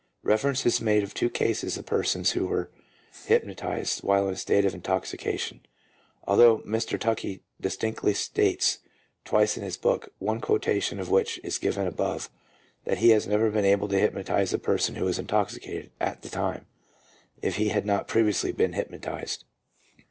Reference is made to two cases of persons who were hypnotized while in a state of intoxication, although Mr. Tuckey distinctly states twice in his book, one quotation of which is given above, that he has never been able to hyp notize a person who was intoxicated at the time, if he had not previously been hypnotized.